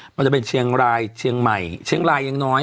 มันจะเป็นเชียงรายเชียงใหม่เชียงรายยังน้อย